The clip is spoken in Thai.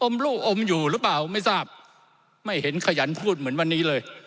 ลูกอมอยู่หรือเปล่าไม่ทราบไม่เห็นขยันพูดเหมือนวันนี้เลย